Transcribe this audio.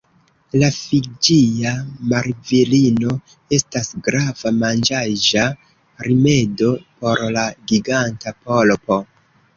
La fiĝia marvirino estas grava manĝaĵa rimedo por la giganta polpo.